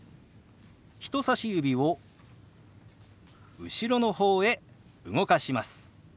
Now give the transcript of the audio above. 人さし指を後ろの方へ動かします。